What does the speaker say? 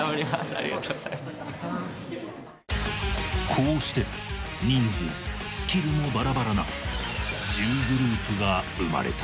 こうして人数スキルもバラバラな１０グループが生まれた